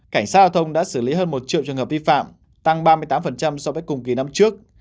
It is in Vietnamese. cảnh sát giao thông đã xử lý hơn một triệu trường hợp vi phạm tăng ba mươi tám so với cùng kỳ năm trước